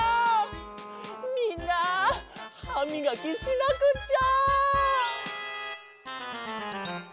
みんなはみがきしなくっちゃ！